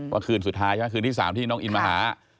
คืนสุดท้ายใช่ไหมคืนที่๓ที่น้องอินมาหา